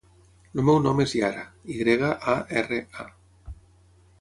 El meu nom és Yara: i grega, a, erra, a.